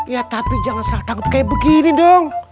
ya tapi jangan salah tangkap kayak begini dong